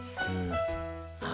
あ？